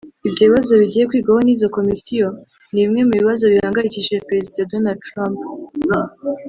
Ibyo bibazo bigiye kwigwaho n’izo komisiyo ni bimwe mu bibazo bihangayikishije Perezida Donald Trump